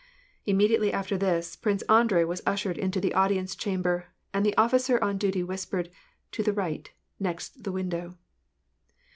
Immediately after this. Prince Andrei was ushered into the audience chamber ; and the officer on duty whispered, " To the right, next the window."